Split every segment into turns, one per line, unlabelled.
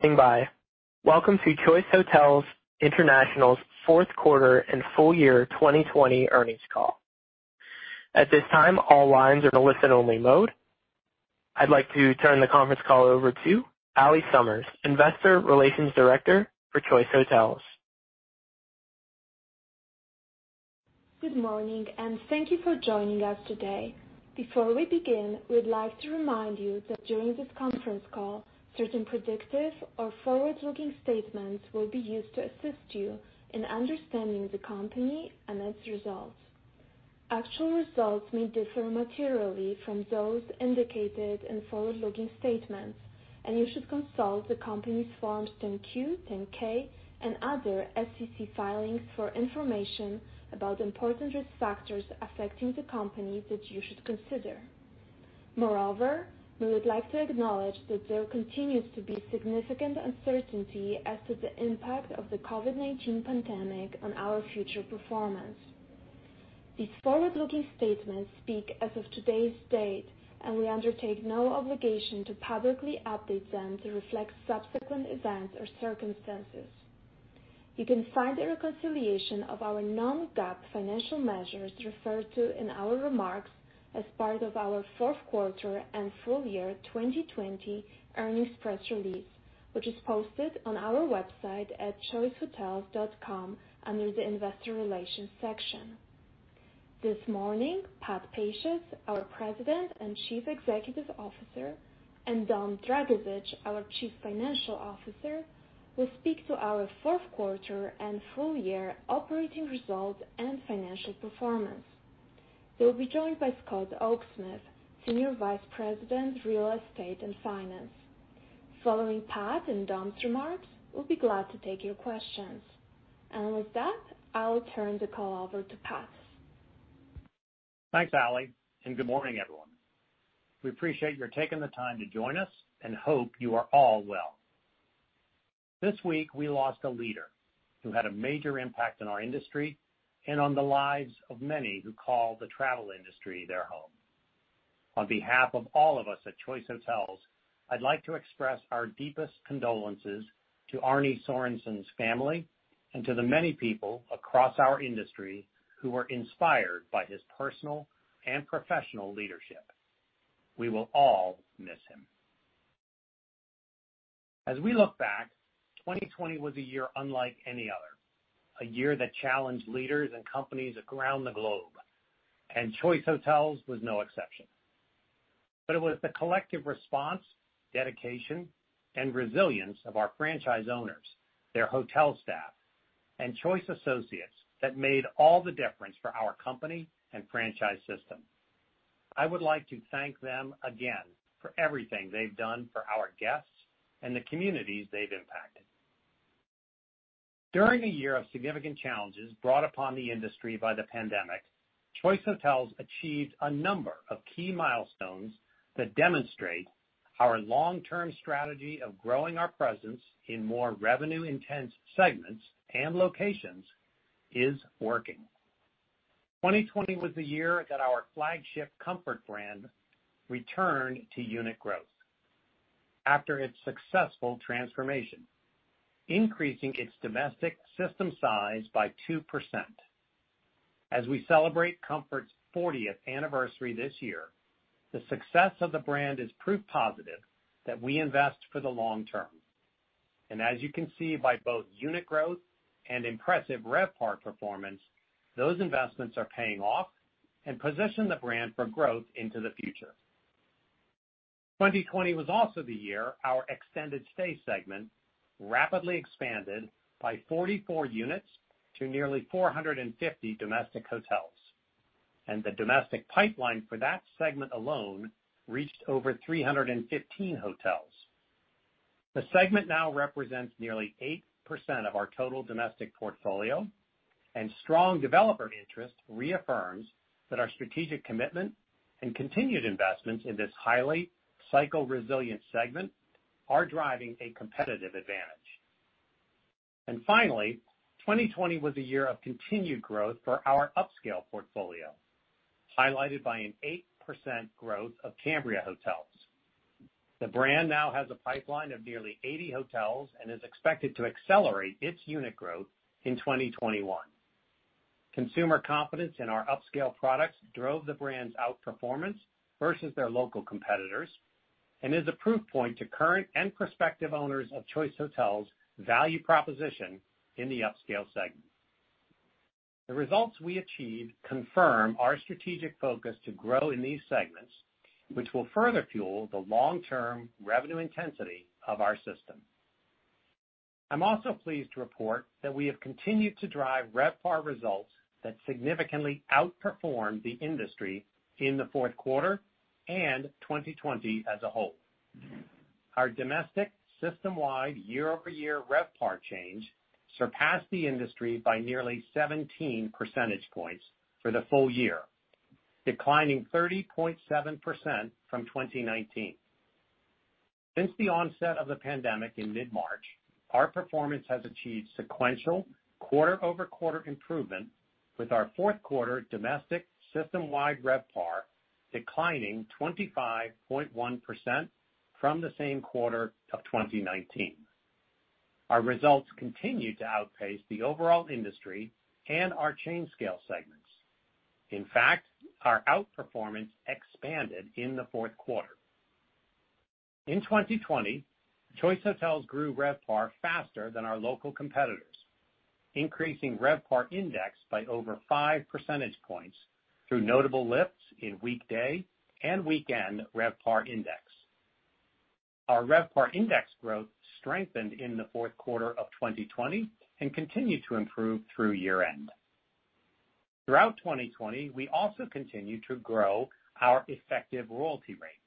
Standing by. Welcome to Choice Hotels International's Fourth Quarter and Full Year 2020 Earnings Call. At this time, all lines are in a listen-only mode. I'd like to turn the conference call over to Allie Summers, investor relations director for Choice Hotels.
Good morning, and thank you for joining us today. Before we begin, we'd like to remind you that during this conference call, certain predictive or forward-looking statements will be used to assist you in understanding the company and its results. Actual results may differ materially from those indicated in forward-looking statements, and you should consult the company's Forms 10-Q, 10-K, and other SEC filings for information about important risk factors affecting the company that you should consider. Moreover, we would like to acknowledge that there continues to be significant uncertainty as to the impact of the COVID-19 pandemic on our future performance. These forward-looking statements speak as of today's date, and we undertake no obligation to publicly update them to reflect subsequent events or circumstances. You can find a reconciliation of our non-GAAP financial measures referred to in our remarks as part of our fourth quarter and full year 2020 earnings press release, which is posted on our website at choicehotels.com under the Investor Relations section. This morning, Pat Pacious, our President and Chief Executive Officer, and Dom Dragisich, our Chief Financial Officer, will speak to our fourth quarter and full year operating results and financial performance. They will be joined by Scott Oaksmith, Senior Vice President, Real Estate and Finance. Following Pat and Dom's remarks, we'll be glad to take your questions. With that, I'll turn the call over to Pat.
Thanks, Allie, and good morning, everyone. We appreciate your taking the time to join us, and hope you are all well. This week, we lost a leader who had a major impact on our industry and on the lives of many who call the travel industry their home. On behalf of all of us at Choice Hotels, I'd like to express our deepest condolences to Arne Sorenson's family and to the many people across our industry who were inspired by his personal and professional leadership. We will all miss him. As we look back, 2020 was a year unlike any other, a year that challenged leaders and companies around the globe, and Choice Hotels was no exception. But it was the collective response, dedication, and resilience of our franchise owners, their hotel staff, and Choice associates that made all the difference for our company and franchise system. I would like to thank them again for everything they've done for our guests and the communities they've impacted. During a year of significant challenges brought upon the industry by the pandemic, Choice Hotels achieved a number of key milestones that demonstrate our long-term strategy of growing our presence in more revenue-intense segments and locations is working. 2020 was the year that our flagship Comfort brand returned to unit growth after its successful transformation, increasing its domestic system size by 2%. As we celebrate Comfort's 40th anniversary this year, the success of the brand is proof positive that we invest for the long term, and as you can see by both unit growth and impressive RevPAR performance, those investments are paying off and position the brand for growth into the future. 2020 was also the year our extended stay segment rapidly expanded by 44 units to nearly 450 domestic hotels, and the domestic pipeline for that segment alone reached over 315 hotels. The segment now represents nearly 8% of our total domestic portfolio, and strong developer interest reaffirms that our strategic commitment and continued investments in this highly cycle-resilient segment are driving a competitive advantage. And finally, 2020 was a year of continued growth for our upscale portfolio, highlighted by an 8% growth of Cambria Hotels. The brand now has a pipeline of nearly 80 hotels and is expected to accelerate its unit growth in 2021. Consumer confidence in our upscale products drove the brand's outperformance versus their local competitors and is a proof point to current and prospective owners of Choice Hotels' value proposition in the upscale segment. The results we achieved confirm our strategic focus to grow in these segments, which will further fuel the long-term revenue intensity of our system. I'm also pleased to report that we have continued to drive RevPAR results that significantly outperformed the industry in the fourth quarter and 2020 as a whole. Our domestic system-wide, year-over-year RevPAR change surpassed the industry by nearly 17 percentage points for the full year, declining 30.7% from 2019. Since the onset of the pandemic in mid-March, our performance has achieved sequential quarter-over-quarter improvement, with our fourth quarter domestic system-wide RevPAR declining 25.1% from the same quarter of 2019. Our results continue to outpace the overall industry and our chain scale segments. In fact, our outperformance expanded in the fourth quarter. In 2020, Choice Hotels grew RevPAR faster than our local competitors, increasing RevPAR index by over 5 percentage points through notable lifts in weekday and weekend RevPAR index. Our RevPAR index growth strengthened in the fourth quarter of 2020 and continued to improve through year-end. Throughout 2020, we also continued to grow our effective royalty rate,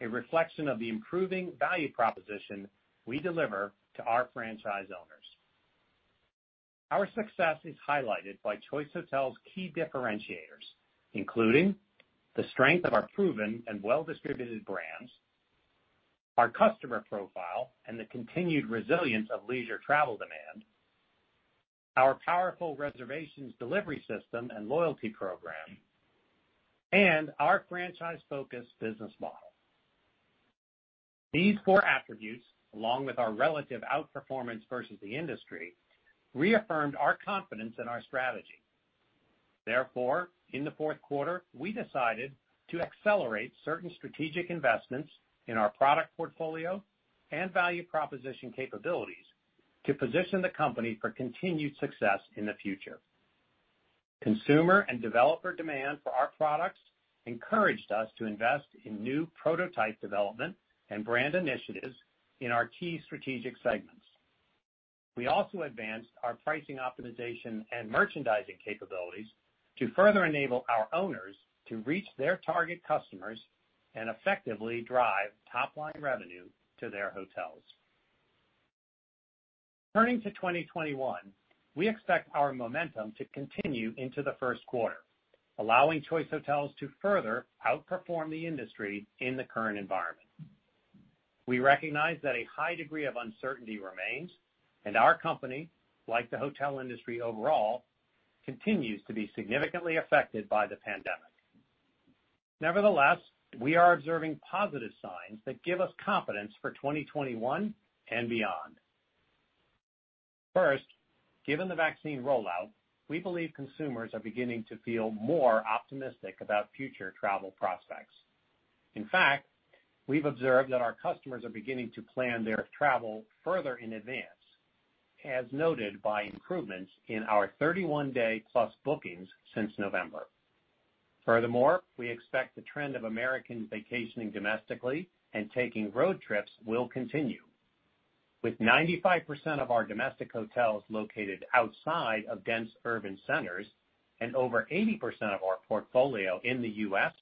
a reflection of the improving value proposition we deliver to our franchise owners. Our success is highlighted by Choice Hotels' key differentiators, including the strength of our proven and well-distributed brands, our customer profile, and the continued resilience of leisure travel demand, our powerful reservations delivery system and loyalty program, and our franchise-focused business model. These four attributes, along with our relative outperformance versus the industry, reaffirmed our confidence in our strategy. Therefore, in the fourth quarter, we decided to accelerate certain strategic investments in our product portfolio and value proposition capabilities to position the company for continued success in the future. Consumer and developer demand for our products encouraged us to invest in new prototype development and brand initiatives in our key strategic segments. We also advanced our pricing optimization and merchandising capabilities to further enable our owners to reach their target customers and effectively drive top-line revenue to their hotels. Turning to 2021, we expect our momentum to continue into the first quarter, allowing Choice Hotels to further outperform the industry in the current environment. We recognize that a high degree of uncertainty remains, and our company, like the hotel industry overall, continues to be significantly affected by the pandemic. Nevertheless, we are observing positive signs that give us confidence for 2021 and beyond. First, given the vaccine rollout, we believe consumers are beginning to feel more optimistic about future travel prospects. In fact, we've observed that our customers are beginning to plan their travel further in advance, as noted by improvements in our 31-day plus bookings since November. Furthermore, we expect the trend of Americans vacationing domestically and taking road trips will continue. With 95% of our domestic hotels located outside of dense urban centers and over 80% of our portfolio in the U.S.,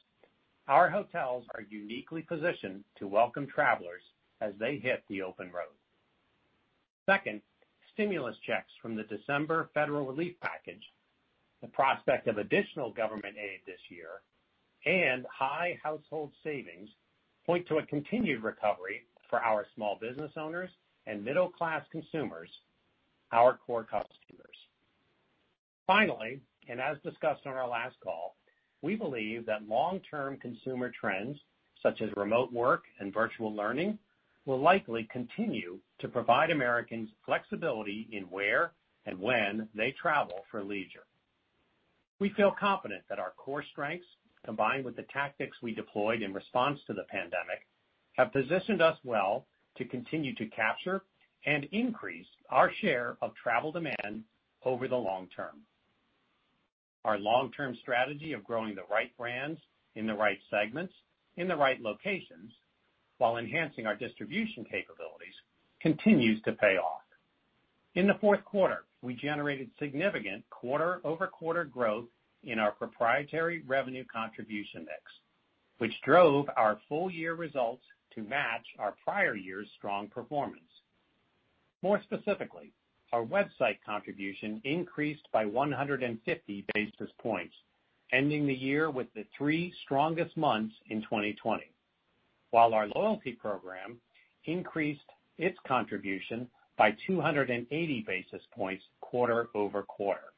our hotels are uniquely positioned to welcome travelers as they hit the open road. Second, stimulus checks from the December federal relief package, the prospect of additional government aid this year, and high household savings point to a continued recovery for our small business owners and middle-class consumers, our core customers. Finally, and as discussed on our last call, we believe that long-term consumer trends, such as remote work and virtual learning, will likely continue to provide Americans flexibility in where and when they travel for leisure. We feel confident that our core strengths, combined with the tactics we deployed in response to the pandemic, have positioned us well to continue to capture and increase our share of travel demand over the long term. Our long-term strategy of growing the right brands in the right segments, in the right locations, while enhancing our distribution capabilities, continues to pay off. In the fourth quarter, we generated significant quarter-over-quarter growth in our proprietary revenue contribution mix, which drove our full year results to match our prior year's strong performance. More specifically, our website contribution increased by 150 basis points, ending the year with the three strongest months in 2020, while our loyalty program increased its contribution by 280 basis points quarter over quarter.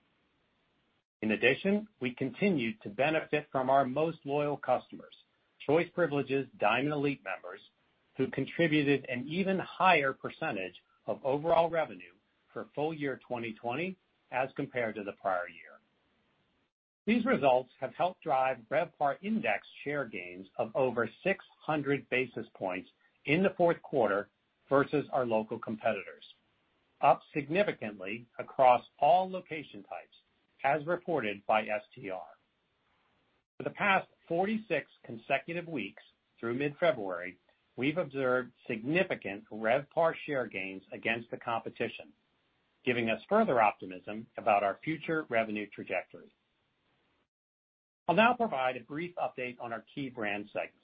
In addition, we continued to benefit from our most loyal customers, Choice Privileges Diamond Elite members, who contributed an even higher percentage of overall revenue for full year 2020 as compared to the prior year. These results have helped drive RevPAR index share gains of over 600 basis points in the fourth quarter versus our local competitors, up significantly across all location types, as reported by STR. For the past 46 consecutive weeks through mid-February, we've observed significant RevPAR share gains against the competition, giving us further optimism about our future revenue trajectory. I'll now provide a brief update on our key brand segments.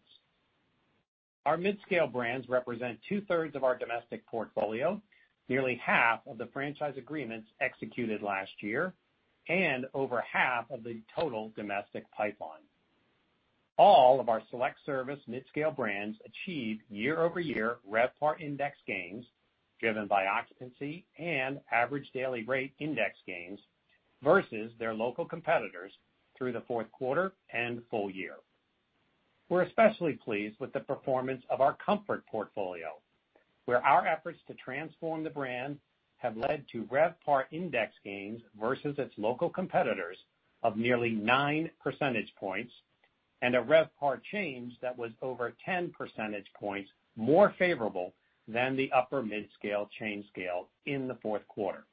Our midscale brands represent 2/3 of our domestic portfolio, nearly half of the franchise agreements executed last year, and over half of the total domestic pipeline. All of our select service midscale brands achieved year-over-year RevPAR index gains, driven by occupancy and average daily rate index gains, versus their local competitors through the fourth quarter and full year. We're especially pleased with the performance of our Comfort portfolio, where our efforts to transform the brand have led to RevPAR index gains versus its local competitors of nearly 9 percentage points, and a RevPAR change that was over 10 percentage points more favorable than the upper midscale chain scale in the fourth quarter.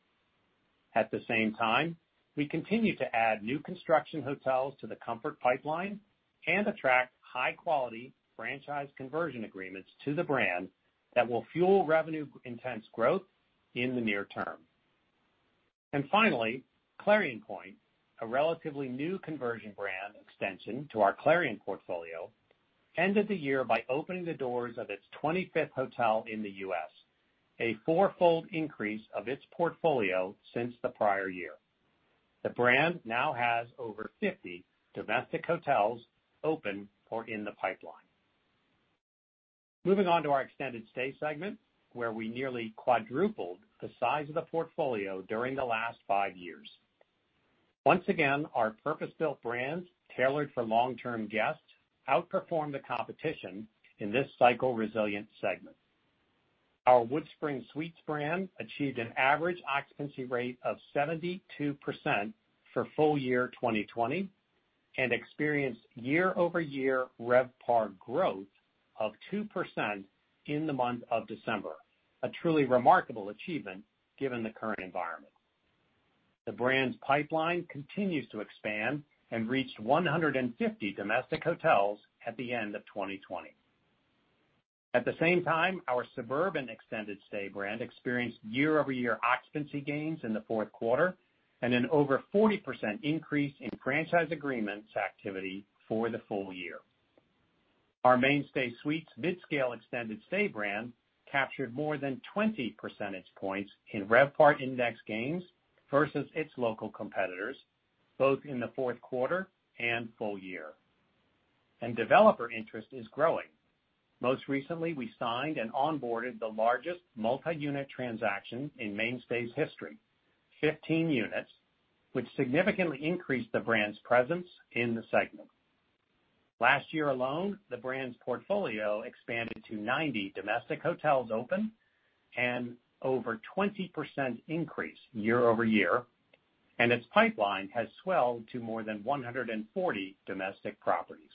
At the same time, we continue to add new construction hotels to the Comfort pipeline and attract high-quality franchise conversion agreements to the brand that will fuel revenue intense growth in the near term. Finally, Clarion Pointe, a relatively new conversion brand extension to our Clarion portfolio, ended the year by opening the doors of its 25th hotel in the U.S., a fourfold increase of its portfolio since the prior year. The brand now has over 50 domestic hotels open or in the pipeline. Moving on to our extended stay segment, where we nearly quadrupled the size of the portfolio during the last five years. Once again, our purpose-built brands, tailored for long-term guests, outperformed the competition in this cycle-resilient segment. Our WoodSpring Suites brand achieved an average occupancy rate of 72% for full year 2020, and experienced year-over-year RevPAR growth of 2% in the month of December. A truly remarkable achievement given the current environment. The brand's pipeline continues to expand and reached 150 domestic hotels at the end of 2020. At the same time, our Suburban extended stay brand experienced year-over-year occupancy gains in the fourth quarter, and an over 40% increase in franchise agreements activity for the full year. Our MainStay Suites midscale extended stay brand captured more than 20 percentage points in RevPAR index gains versus its local competitors, both in the fourth quarter and full year. Developer interest is growing. Most recently, we signed and onboarded the largest multi-unit transaction in MainStay's history, 15 units, which significantly increased the brand's presence in the segment. Last year alone, the brand's portfolio expanded to 90 domestic hotels open and over 20% increase year over year, and its pipeline has swelled to more than 140 domestic properties.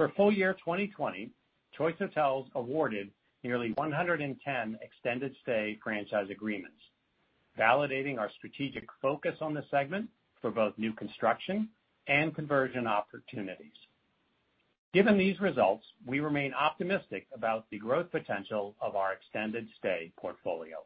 For full year 2020, Choice Hotels awarded nearly 110 extended stay franchise agreements, validating our strategic focus on the segment for both new construction and conversion opportunities. Given these results, we remain optimistic about the growth potential of our extended stay portfolio.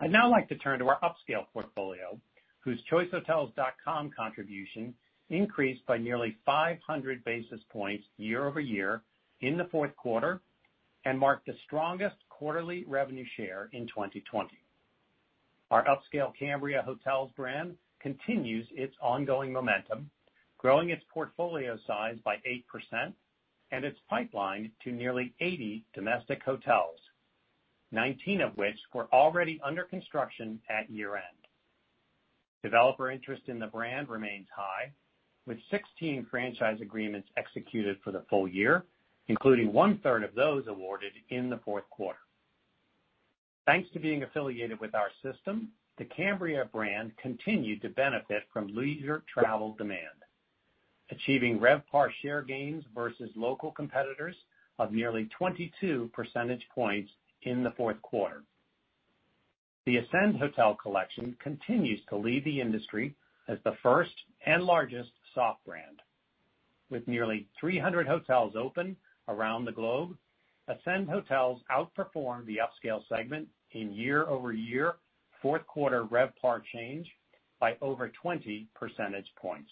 I'd now like to turn to our upscale portfolio, whose choicehotels.com contribution increased by nearly 500 basis points year-over-year in the fourth quarter, and marked the strongest quarterly revenue share in 2020. Our upscale Cambria Hotels brand continues its ongoing momentum, growing its portfolio size by 8% and its pipeline to nearly 80 domestic hotels, 19 of which were already under construction at year-end. Developer interest in the brand remains high, with 16 franchise agreements executed for the full year, including one third of those awarded in the fourth quarter. Thanks to being affiliated with our system, the Cambria brand continued to benefit from leisure travel demand, achieving RevPAR share gains versus local competitors of nearly 22 percentage points in the fourth quarter. The Ascend Hotel Collection continues to lead the industry as the first and largest soft brand. With nearly 300 hotels open around the globe, Ascend Hotels outperformed the upscale segment in year-over-year fourth quarter RevPAR change by over 20 percentage points.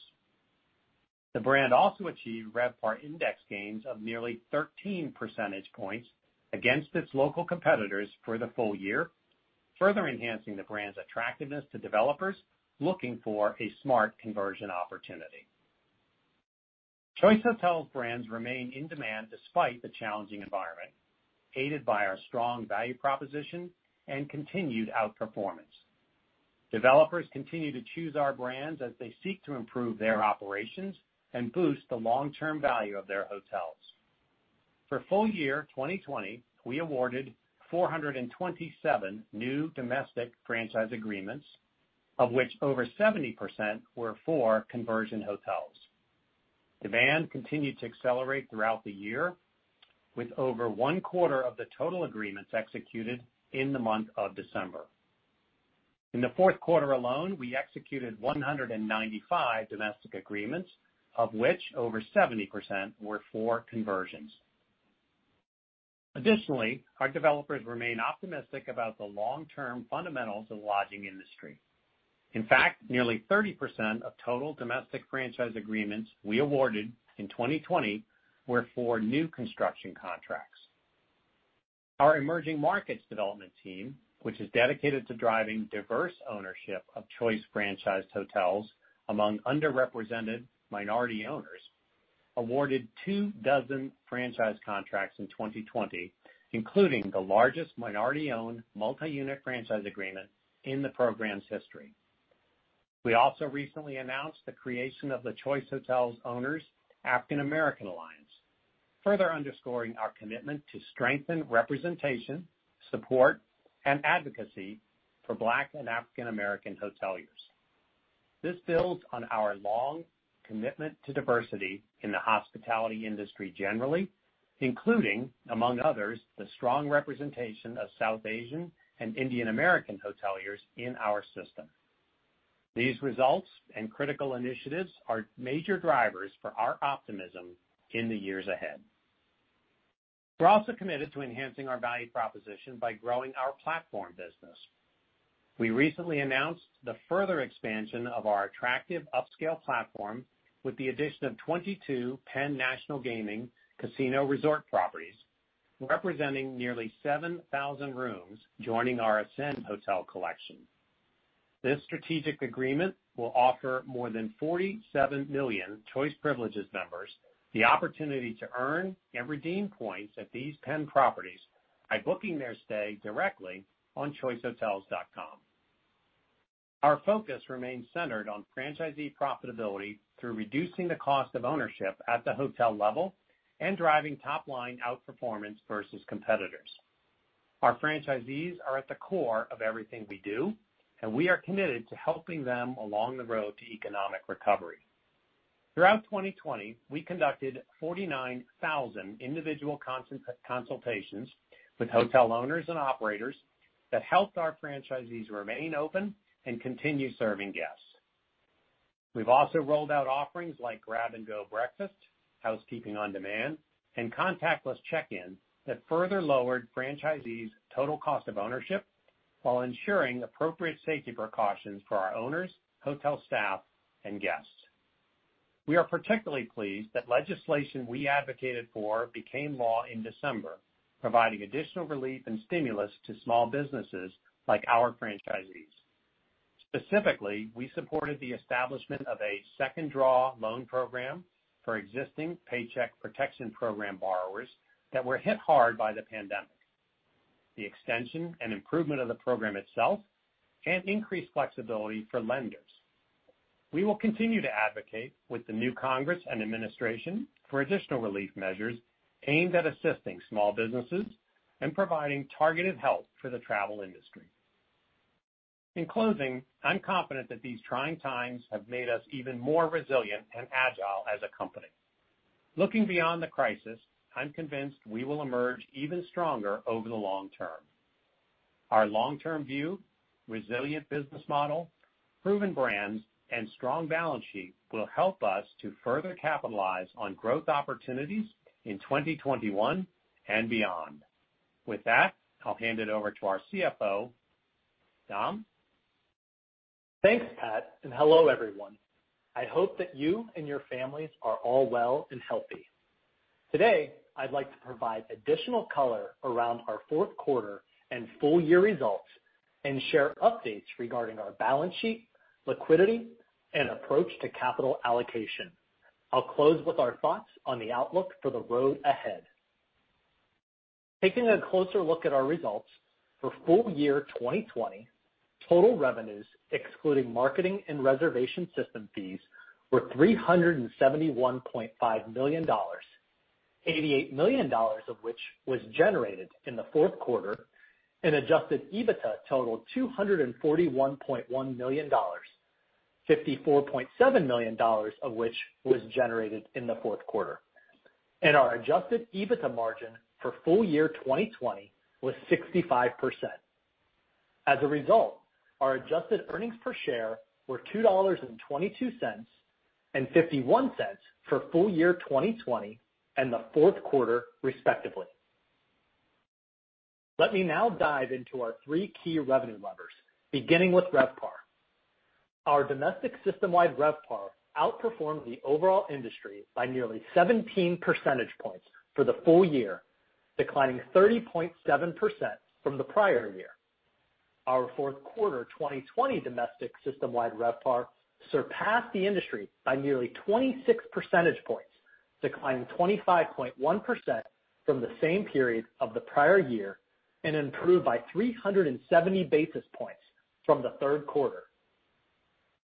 The brand also achieved RevPAR index gains of nearly 13 percentage points against its local competitors for the full year, further enhancing the brand's attractiveness to developers looking for a smart conversion opportunity. Choice Hotels brands remain in demand despite the challenging environment, aided by our strong value proposition and continued outperformance. Developers continue to choose our brands as they seek to improve their operations and boost the long-term value of their hotels. For full year 2020, we awarded 427 new domestic franchise agreements, of which over 70% were for conversion hotels. Demand continued to accelerate throughout the year, with over one quarter of the total agreements executed in the month of December. In the fourth quarter alone, we executed 195 domestic agreements, of which over 70% were for conversions. Additionally, our developers remain optimistic about the long-term fundamentals of the lodging industry. In fact, nearly 30% of total domestic franchise agreements we awarded in 2020 were for new construction contracts.... Our emerging markets development team, which is dedicated to driving diverse ownership of Choice franchised hotels among underrepresented minority owners, awarded 24 franchise contracts in 2020, including the largest minority-owned multi-unit franchise agreement in the program's history. We also recently announced the creation of the Choice Hotels Owners African American Alliance, further underscoring our commitment to strengthen representation, support, and advocacy for Black and African American hoteliers. This builds on our long commitment to diversity in the hospitality industry generally, including, among others, the strong representation of South Asian and Indian American hoteliers in our system. These results and critical initiatives are major drivers for our optimism in the years ahead. We're also committed to enhancing our value proposition by growing our platform business. We recently announced the further expansion of our attractive upscale platform with the addition of 22 Penn National Gaming casino resort properties, representing nearly 7,000 rooms, joining our Ascend Hotel Collection. This strategic agreement will offer more than 47 million Choice Privileges members the opportunity to earn and redeem points at these Penn properties by booking their stay directly on choicehotels.com. Our focus remains centered on franchisee profitability through reducing the cost of ownership at the hotel level and driving top-line outperformance versus competitors. Our franchisees are at the core of everything we do, and we are committed to helping them along the road to economic recovery. Throughout 2020, we conducted 49,000 individual consultations with hotel owners and operators that helped our franchisees remain open and continue serving guests. We've also rolled out offerings like Grab & Go Breakfast, Housekeeping on Demand, and contactless check-in that further lowered franchisees' total cost of ownership while ensuring appropriate safety precautions for our owners, hotel staff, and guests. We are particularly pleased that legislation we advocated for became law in December, providing additional relief and stimulus to small businesses like our franchisees. Specifically, we supported the establishment of a second draw loan program for existing Paycheck Protection Program borrowers that were hit hard by the pandemic, the extension and improvement of the program itself, and increased flexibility for lenders. We will continue to advocate with the new Congress and administration for additional relief measures aimed at assisting small businesses and providing targeted help for the travel industry. In closing, I'm confident that these trying times have made us even more resilient and agile as a company. Looking beyond the crisis, I'm convinced we will emerge even stronger over the long term. Our long-term view, resilient business model, proven brands, and strong balance sheet will help us to further capitalize on growth opportunities in 2021 and beyond. With that, I'll hand it over to our CFO. Dom?
Thanks, Pat, and hello, everyone. I hope that you and your families are all well and healthy. Today, I'd like to provide additional color around our fourth quarter and full year results and share updates regarding our balance sheet, liquidity, and approach to capital allocation. I'll close with our thoughts on the outlook for the road ahead. Taking a closer look at our results, for full year 2020, total revenues, excluding marketing and reservation system fees, were $371.5 million, $88 million of which was generated in the fourth quarter, and Adjusted EBITDA totaled $241.1 million, $54.7 million of which was generated in the fourth quarter. Our Adjusted EBITDA margin for full year 2020 was 65%. As a result, our Adjusted Earnings Per Share were $2.22 and $0.51 for full year 2020 and the fourth quarter, respectively. Let me now dive into our three key revenue levers, beginning with RevPAR. Our domestic system-wide RevPAR outperformed the overall industry by nearly 17 percentage points for the full year, declining 30.7% from the prior year. Our fourth quarter 2020 domestic system-wide RevPAR surpassed the industry by nearly 26 percentage points, declining 25.1% from the same period of the prior year, and improved by 370 basis points from the third quarter.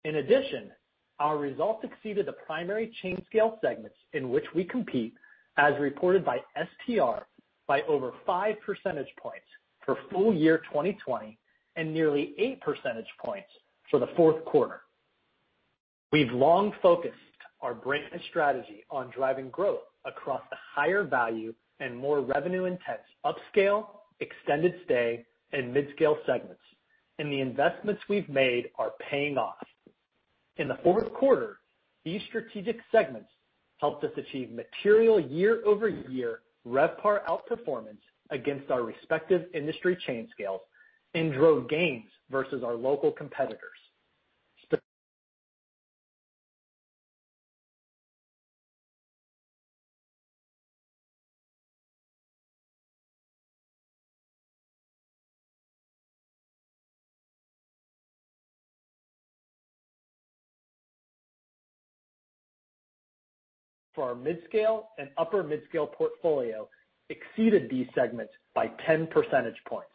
In addition, our results exceeded the primary chain scale segments in which we compete, as reported by STR, by over 5 percentage points for full year 2020 and nearly 8 percentage points for the fourth quarter. We've long focused our brand strategy on driving growth across the higher value and more revenue-intense upscale, extended stay, and midscale segments, and the investments we've made are paying off. In the fourth quarter, these strategic segments helped us achieve material year-over-year RevPAR outperformance against our respective industry chain scales and drove gains versus our local competitors. For our midscale and upper midscale portfolio exceeded these segments by 10 percentage points.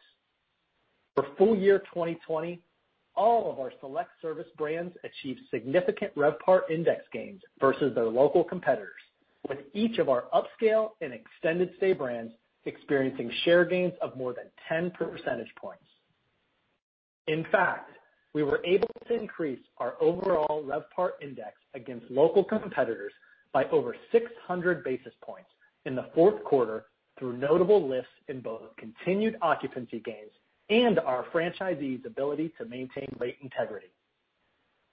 For full year 2020, all of our select service brands achieved significant RevPAR index gains versus their local competitors, with each of our upscale and extended stay brands experiencing share gains of more than 10 percentage points. In fact, we were able to increase our overall RevPAR index against local competitors by over 600 basis points in the fourth quarter through notable lifts in both continued occupancy gains and our franchisees' ability to maintain rate integrity.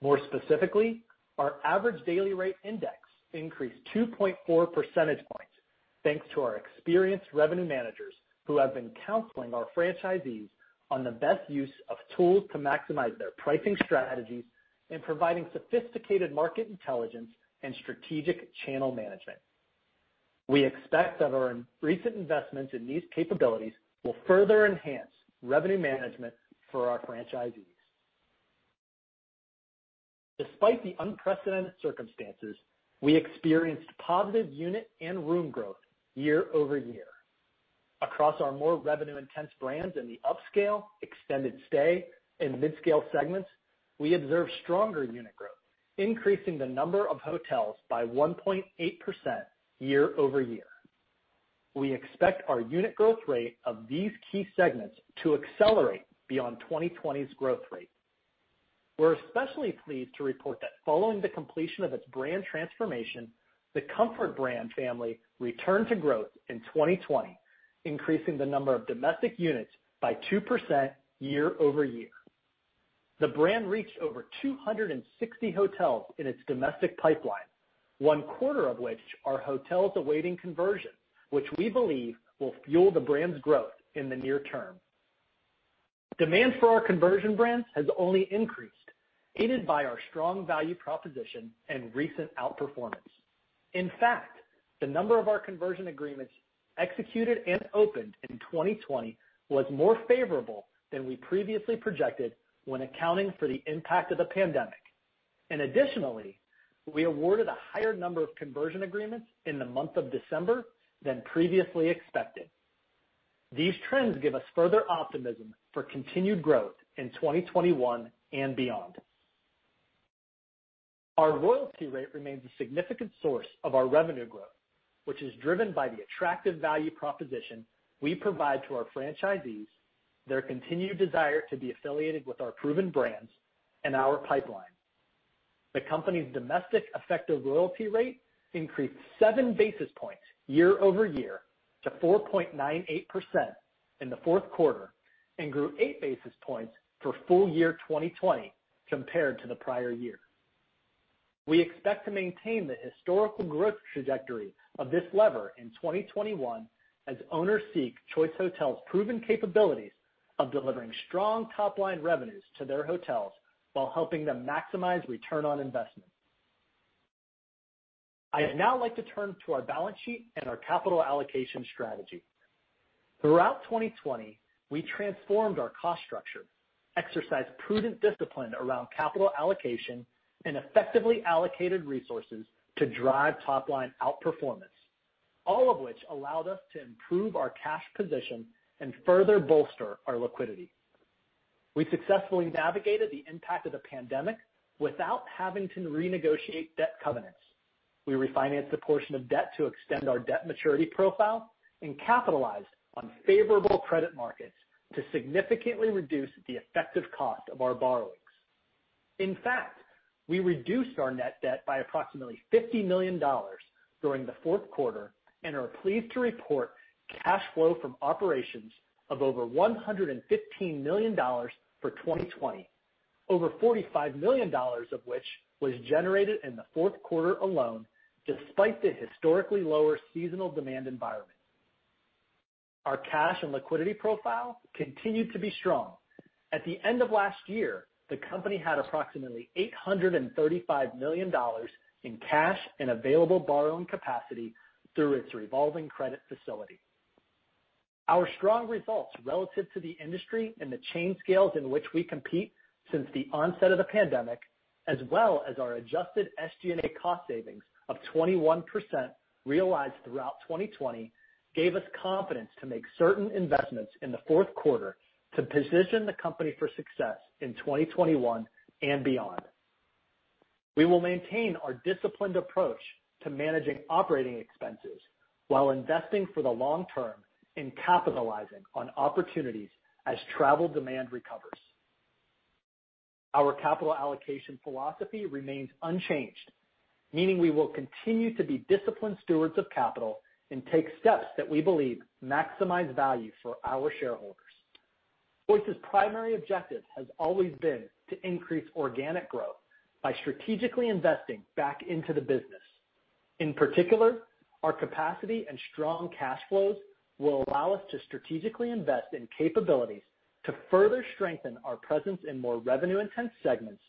More specifically, our average daily rate index increased 2.4 percentage points, thanks to our experienced revenue managers, who have been counseling our franchisees on the best use of tools to maximize their pricing strategies and providing sophisticated market intelligence and strategic channel management. We expect that our recent investments in these capabilities will further enhance revenue management for our franchisees. Despite the unprecedented circumstances, we experienced positive unit and room growth year-over-year. Across our more revenue-intense brands in the upscale, extended stay, and midscale segments, we observed stronger unit growth, increasing the number of hotels by 1.8% year-over-year. We expect our unit growth rate of these key segments to accelerate beyond 2020's growth rate. We're especially pleased to report that following the completion of its brand transformation, the Comfort brand family returned to growth in 2020, increasing the number of domestic units by 2% year-over-year. The brand reached over 260 hotels in its domestic pipeline, one quarter of which are hotels awaiting conversion, which we believe will fuel the brand's growth in the near term. Demand for our conversion brands has only increased, aided by our strong value proposition and recent outperformance. In fact, the number of our conversion agreements executed and opened in 2020 was more favorable than we previously projected when accounting for the impact of the pandemic. Additionally, we awarded a higher number of conversion agreements in the month of December than previously expected. These trends give us further optimism for continued growth in 2021 and beyond. Our royalty rate remains a significant source of our revenue growth, which is driven by the attractive value proposition we provide to our franchisees, their continued desire to be affiliated with our proven brands, and our pipeline. The company's domestic effective royalty rate increased 7 basis points year-over-year to 4.98% in the fourth quarter and grew 8 basis points for full year 2020 compared to the prior year. We expect to maintain the historical growth trajectory of this lever in 2021 as owners seek Choice Hotels' proven capabilities of delivering strong top-line revenues to their hotels while helping them maximize return on investment. I'd now like to turn to our balance sheet and our capital allocation strategy. Throughout 2020, we transformed our cost structure, exercised prudent discipline around capital allocation, and effectively allocated resources to drive top-line outperformance, all of which allowed us to improve our cash position and further bolster our liquidity. We successfully navigated the impact of the pandemic without having to renegotiate debt covenants. We refinanced a portion of debt to extend our debt maturity profile and capitalized on favorable credit markets to significantly reduce the effective cost of our borrowings. In fact, we reduced our net debt by approximately $50 million during the fourth quarter and are pleased to report cash flow from operations of over $115 million for 2020, over $45 million of which was generated in the fourth quarter alone, despite the historically lower seasonal demand environment. Our cash and liquidity profile continued to be strong. At the end of last year, the company had approximately $835 million in cash and available borrowing capacity through its revolving credit facility. Our strong results relative to the industry and the chain scales in which we compete since the onset of the pandemic, as well as our adjusted SG&A cost savings of 21%, realized throughout 2020, gave us confidence to make certain investments in the fourth quarter to position the company for success in 2021 and beyond. We will maintain our disciplined approach to managing operating expenses while investing for the long term and capitalizing on opportunities as travel demand recovers. Our capital allocation philosophy remains unchanged, meaning we will continue to be disciplined stewards of capital and take steps that we believe maximize value for our shareholders. Choice's primary objective has always been to increase organic growth by strategically investing back into the business. Our capacity and strong cash flows will allow us to strategically invest in capabilities to further strengthen our presence in more revenue-intense segments,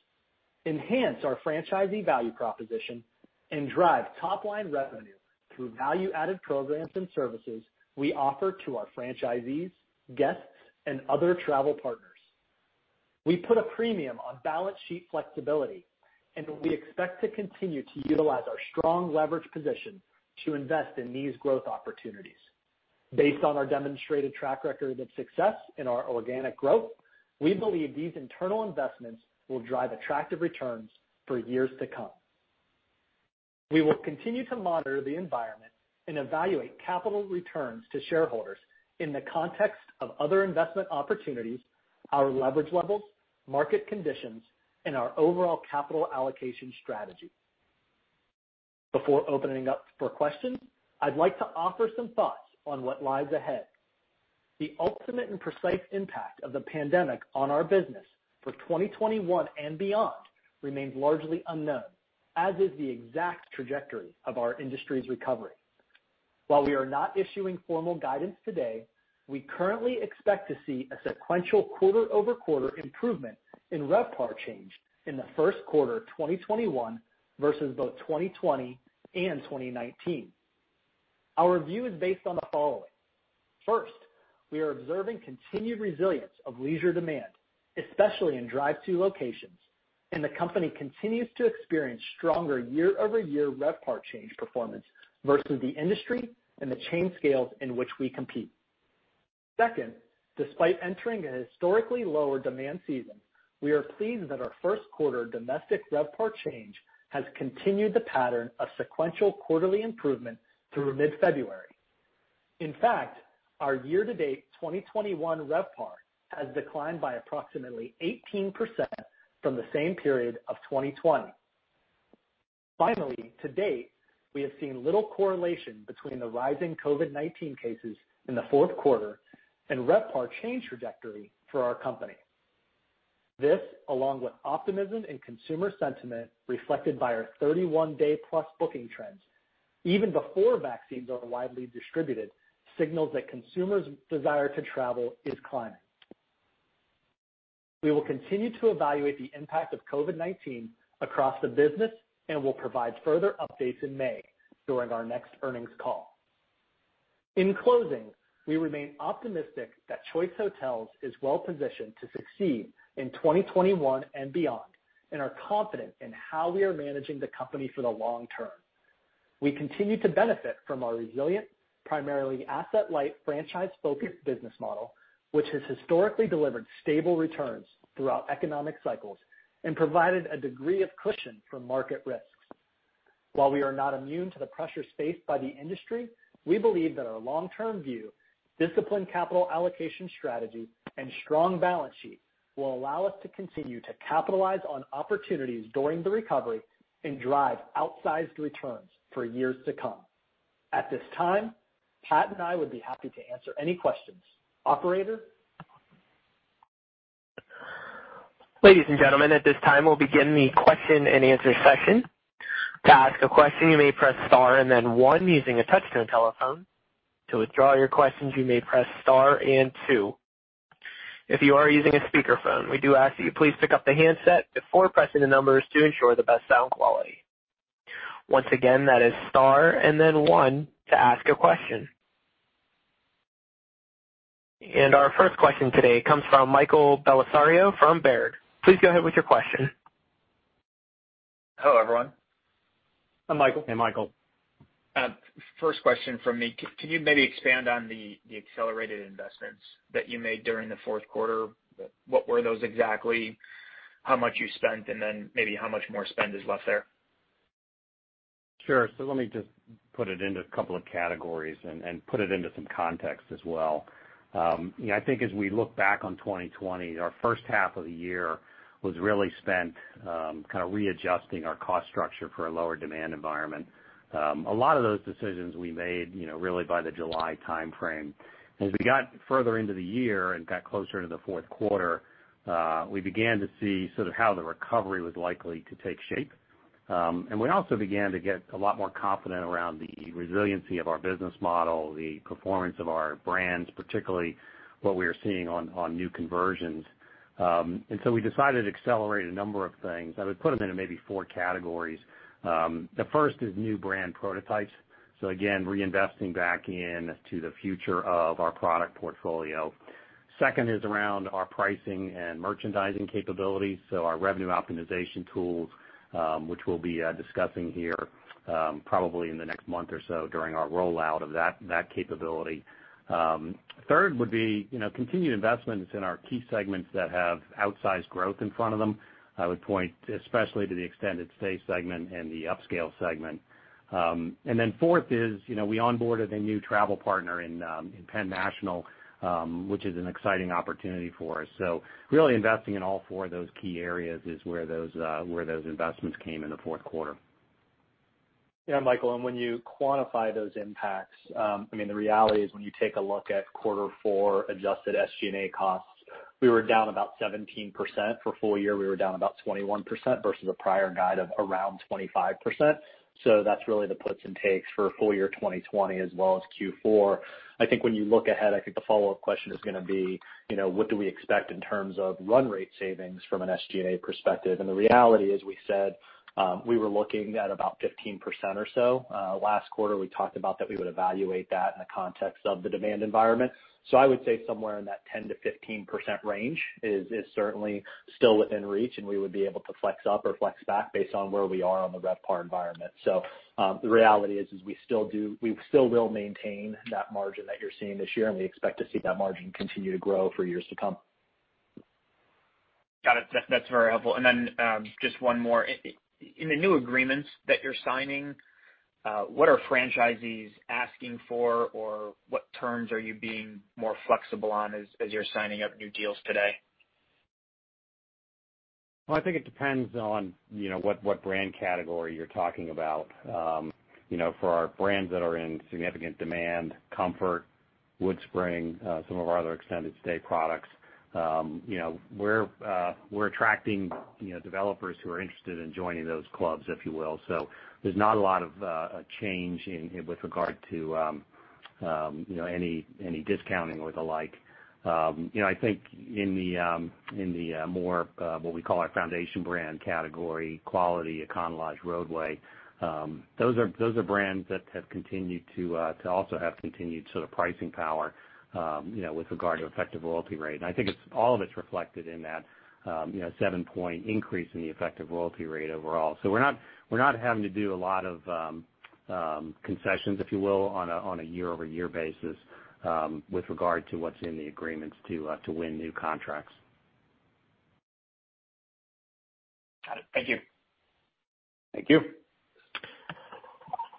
enhance our franchisee value proposition, and drive top line revenue through value-added programs and services we offer to our franchisees, guests, and other travel partners. We put a premium on balance sheet flexibility, and we expect to continue to utilize our strong leverage position to invest in these growth opportunities. Based on our demonstrated track record of success in our organic growth, we believe these internal investments will drive attractive returns for years to come. We will continue to monitor the environment and evaluate capital returns to shareholders in the context of other investment opportunities, our leverage levels, market conditions, and our overall capital allocation strategy. Before opening up for questions, I'd like to offer some thoughts on what lies ahead. The ultimate and precise impact of the pandemic on our business for 2021 and beyond remains largely unknown, as is the exact trajectory of our industry's recovery. While we are not issuing formal guidance today, we currently expect to see a sequential quarter-over-quarter improvement in RevPAR change in the first quarter of 2021 versus both 2020 and 2019. Our view is based on the following: First, we are observing continued resilience of leisure demand, especially in drive-to locations, and the company continues to experience stronger year-over-year RevPAR change performance versus the industry and the chain scales in which we compete. Second, despite entering a historically lower demand season, we are pleased that our first quarter domestic RevPAR change has continued the pattern of sequential quarterly improvement through mid-February. In fact, our year-to-date 2021 RevPAR has declined by approximately 18% from the same period of 2020. Finally, to date, we have seen little correlation between the rising COVID-19 cases in the fourth quarter and RevPAR change trajectory for our company. This, along with optimism and consumer sentiment, reflected by our 31-day plus booking trends, even before vaccines are widely distributed, signals that consumers' desire to travel is climbing. We will continue to evaluate the impact of COVID-19 across the business and will provide further updates in May during our next earnings call. In closing, we remain optimistic that Choice Hotels is well positioned to succeed in 2021 and beyond, and are confident in how we are managing the company for the long term. We continue to benefit from our resilient, primarily asset-light, franchise-focused business model, which has historically delivered stable returns throughout economic cycles and provided a degree of cushion from market risks. While we are not immune to the pressures faced by the industry, we believe that our long-term view, disciplined capital allocation strategy, and strong balance sheet will allow us to continue to capitalize on opportunities during the recovery and drive outsized returns for years to come. At this time, Pat and I would be happy to answer any questions. Operator?
Ladies and gentlemen, at this time, we'll begin the question and answer session. To ask a question, you may press star and then one using a touch-tone telephone. To withdraw your questions, you may press star and two. If you are using a speakerphone, we do ask that you please pick up the handset before pressing the numbers to ensure the best sound quality. Once again, that is star and then one to ask a question. Our first question today comes from Michael Bellisario from Baird. Please go ahead with your question.
Hello, everyone.
Hi, Michael.
Hey, Michael.
First question from me. Can you maybe expand on the accelerated investments that you made during the fourth quarter? What were those exactly, how much you spent, and then maybe how much more spend is left there?
Sure. So let me just put it into a couple of categories and put it into some context as well. You know, I think as we look back on 2020, our first half of the year was really spent kind of readjusting our cost structure for a lower demand environment. A lot of those decisions we made, you know, really by the July timeframe. As we got further into the year and got closer to the fourth quarter, we began to see sort of how the recovery was likely to take shape. And we also began to get a lot more confident around the resiliency of our business model, the performance of our brands, particularly what we were seeing on new conversions. And so we decided to accelerate a number of things. I would put them into maybe four categories. The first is new brand prototypes. So again, reinvesting back into the future of our product portfolio. Second is around our pricing and merchandising capabilities, so our revenue optimization tools, which we'll be discussing here, probably in the next month or so during our rollout of that, that capability. Third would be, you know, continued investments in our key segments that have outsized growth in front of them. I would point especially to the extended stay segment and the upscale segment. And then fourth is, you know, we onboarded a new travel partner in PENN National, which is an exciting opportunity for us. So really investing in all four of those key areas is where those, where those investments came in the fourth quarter....
Yeah, Michael, and when you quantify those impacts, I mean, the reality is when you take a look at quarter four adjusted SG&A costs, we were down about 17%. For full year, we were down about 21% versus a prior guide of around 25%. So that's really the puts and takes for full year 2020 as well as Q4. I think when you look ahead, I think the follow-up question is gonna be, you know, what do we expect in terms of run rate savings from an SG&A perspective? And the reality is, we said, we were looking at about 15% or so. Last quarter, we talked about that we would evaluate that in the context of the demand environment. So I would say somewhere in that 10%-15% range is certainly still within reach, and we would be able to flex up or flex back based on where we are on the RevPAR environment. So, the reality is we still will maintain that margin that you're seeing this year, and we expect to see that margin continue to grow for years to come.
Got it. That's, that's very helpful. And then just one more. In the new agreements that you're signing, what are franchisees asking for? Or what terms are you being more flexible on as you're signing up new deals today?
Well, I think it depends on, you know, what brand category you're talking about. You know, for our brands that are in significant demand, Comfort, WoodSpring, some of our other extended stay products, you know, we're attracting, you know, developers who are interested in joining those clubs, if you will. So there's not a lot of a change in, with regard to, you know, any discounting or the like. You know, I think in the, in the more, what we call our foundation brand category, Quality, Econo Lodge, Rodeway, those are brands that have continued to also have continued sort of pricing power, you know, with regard to effective royalty rate. I think it's all of it's reflected in that, you know, 7-point increase in the effective royalty rate overall. So we're not having to do a lot of concessions, if you will, on a year-over-year basis with regard to what's in the agreements to win new contracts.
Got it. Thank you.
Thank you.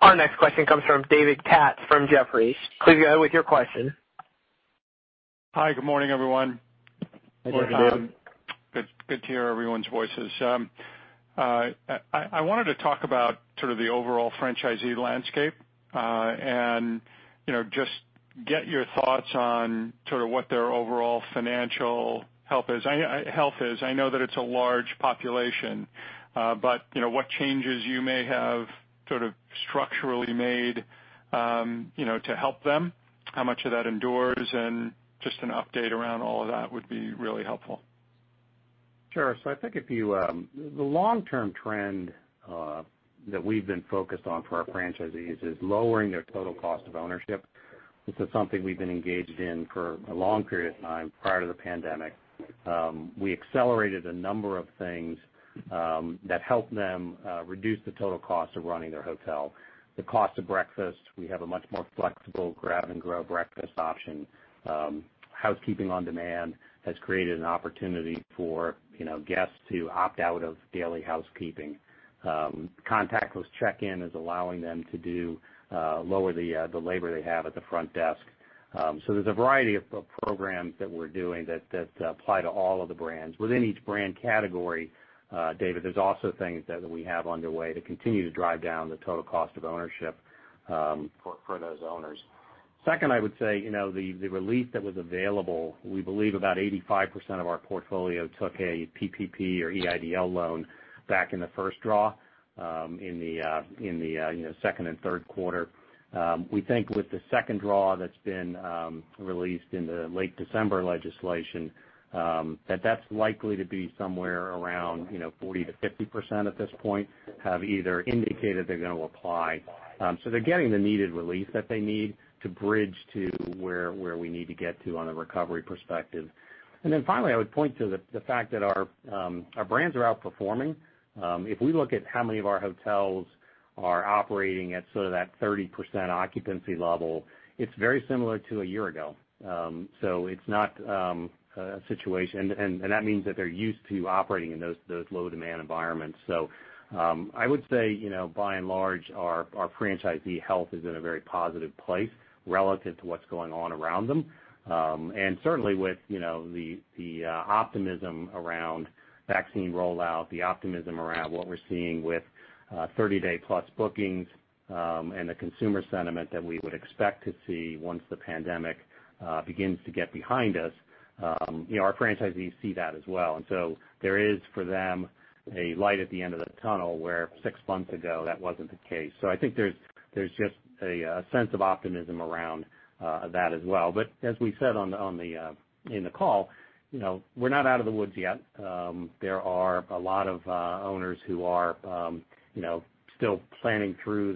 Our next question comes from David Katz from Jefferies. Please go ahead with your question.
Hi, good morning, everyone.
Good morning, David.
Good, good to hear everyone's voices. I wanted to talk about sort of the overall franchisee landscape, and, you know, just get your thoughts on sort of what their overall financial health is. I know that it's a large population, but you know, what changes you may have sort of structurally made, you know, to help them? How much of that endures? And just an update around all of that would be really helpful.
Sure. So I think the long-term trend that we've been focused on for our franchisees is lowering their total cost of ownership. This is something we've been engaged in for a long period of time prior to the pandemic. We accelerated a number of things that helped them reduce the total cost of running their hotel. The cost of breakfast, we have a much more flexible grab and go breakfast option. Housekeeping on demand has created an opportunity for, you know, guests to opt out of daily housekeeping. Contactless check-in is allowing them to lower the labor they have at the front desk. So there's a variety of programs that we're doing that apply to all of the brands. Within each brand category, David, there's also things that we have underway to continue to drive down the total cost of ownership for those owners. Second, I would say, you know, the relief that was available, we believe about 85% of our portfolio took a PPP or EIDL loan back in the first draw in the you know, second and third quarter. We think with the second draw that's been released in the late December legislation that that's likely to be somewhere around, you know, 40%-50% at this point, have either indicated they're going to apply. So they're getting the needed relief that they need to bridge to where we need to get to on a recovery perspective. And then finally, I would point to the fact that our brands are outperforming. If we look at how many of our hotels are operating at sort of that 30% occupancy level, it's very similar to a year ago. So it's not a situation. And that means that they're used to operating in those low demand environments. So I would say, you know, by and large, our franchisee health is in a very positive place relative to what's going on around them. And certainly with, you know, the optimism around vaccine rollout, the optimism around what we're seeing with 30-day plus bookings, and the consumer sentiment that we would expect to see once the pandemic begins to get behind us, you know, our franchisees see that as well. There is, for them, a light at the end of the tunnel, where six months ago, that wasn't the case. So I think there's just a sense of optimism around that as well. But as we said on the call, you know, we're not out of the woods yet. There are a lot of owners who are, you know, still planning through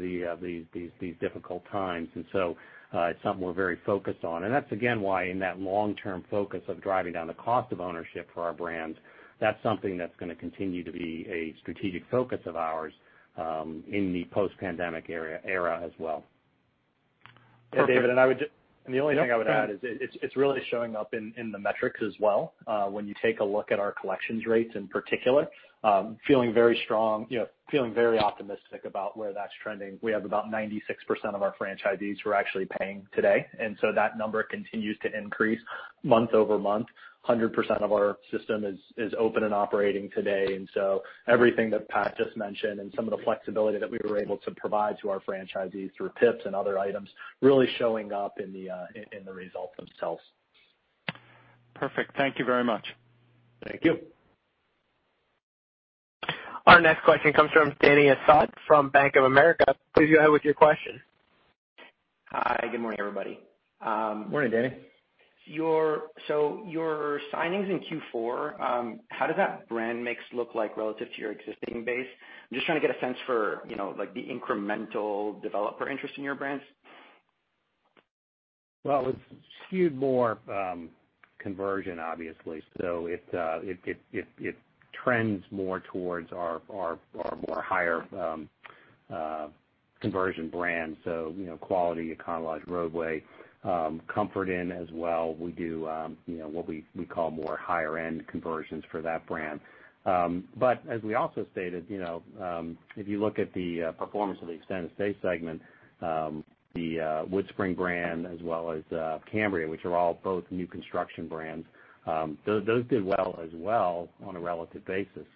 these difficult times. And so it's something we're very focused on. And that's, again, why in that long-term focus of driving down the cost of ownership for our brands, that's something that's gonna continue to be a strategic focus of ours in the post-pandemic era as well.
Yeah, David, and I would just-
Yep.
And the only thing I would add is it, it's really showing up in the metrics as well. When you take a look at our collections rates, in particular, feeling very strong, you know, feeling very optimistic about where that's trending. We have about 96% of our franchisees who are actually paying today, and so that number continues to increase month-over-month. 100% of our system is open and operating today, and so everything that Pat just mentioned and some of the flexibility that we were able to provide to our franchisees through PIPs and other items, really showing up in the results themselves.
Perfect. Thank you very much.
Thank you....
Our next question comes from Dany Asad from Bank of America. Please go ahead with your question.
Hi, good morning, everybody.
Morning, Dany.
So your signings in Q4, how does that brand mix look like relative to your existing base? I'm just trying to get a sense for, you know, like, the incremental developer interest in your brands.
Well, it's skewed more conversion, obviously. So it trends more towards our more higher conversion brands. So, you know, Quality, Econo Lodge, Rodeway, Comfort Inn as well. We do, you know, what we call more higher end conversions for that brand. But as we also stated, you know, if you look at the performance of the extended stay segment, the WoodSpring brand as well as Cambria, which are all both new construction brands, those did well as well on a relative basis.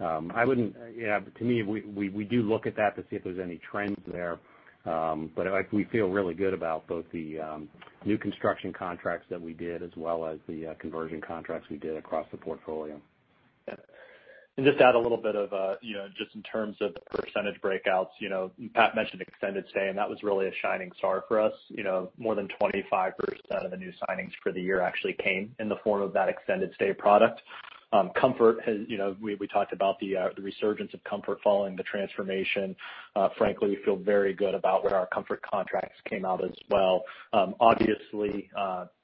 I wouldn't, yeah, to me, we do look at that to see if there's any trends there, but, like, we feel really good about both the new construction contracts that we did as well as the conversion contracts we did across the portfolio.
Yeah.
Just to add a little bit of, you know, just in terms of the percentage breakouts, you know, Pat mentioned extended stay, and that was really a shining star for us. You know, more than 25% of the new signings for the year actually came in the form of that extended stay product. Comfort has, you know, we talked about the resurgence of Comfort following the transformation. Frankly, we feel very good about where our Comfort contracts came out as well. Obviously,